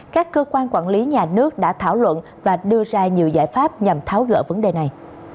các cơ quan quản lý nhà nước đã thảo luận và đưa ra nhiều giải pháp nhằm tháo gỡ vấn đề này